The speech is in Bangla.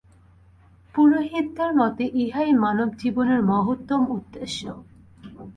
পুরোহিতদের মতে ইহাই মানব-জীবনের মহত্তম উদ্দেশ্য।